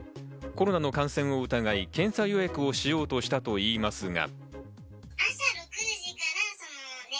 コロナの感染を疑い、検査予約をしようとしたといいますが。